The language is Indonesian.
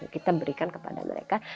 kita berikan kepada mereka